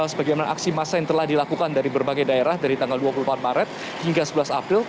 sebagaimana aksi massa yang telah dilakukan dari berbagai daerah dari tanggal dua puluh empat maret hingga sebelas april